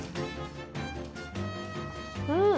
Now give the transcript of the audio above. うん！